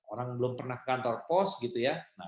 orang belum pernah ke kantor pos gitu ya